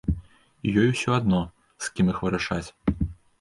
І ёй усё адно, з кім іх вырашаць.